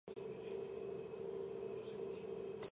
ცხრა წლის ასაკში ტროცკი მამამ ოდესაში გაგზავნა განათლების მისაღებად.